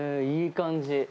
いい感じ。